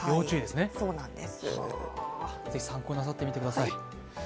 ぜひ参考になさってみてください。